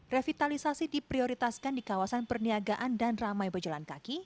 revitalisasi diprioritaskan di kawasan perniagaan dan ramai berjalan kaki